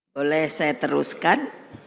boleh saya teruskan